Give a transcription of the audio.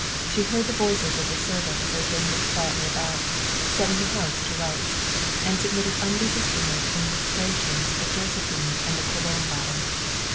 She heard the voices of the servants as they moved quietly about, setting the house to rights, and submitted unresistingly to the ministrations of Jose phine and the cologne bottle.